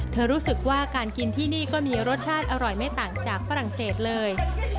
รู้สึกว่าการกินที่นี่ก็มีรสชาติอร่อยไม่ต่างจากฝรั่งเศสเลย